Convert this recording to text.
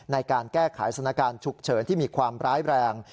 ในการแก้ไขสถานการณ์ฉุกเฉินที่มีความร้ายแรง